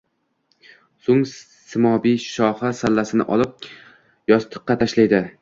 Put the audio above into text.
So’ng “simobiy shohi sallasini” olib yostiqqa tashlaydi